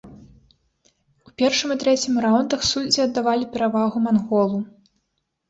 У першым і трэцім раўндах суддзі аддавалі перавагу манголу.